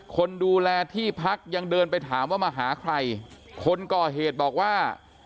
คนดูแลที่พักยังเดินไปถามว่ามาหาใครคนก่อเหตุบอกว่า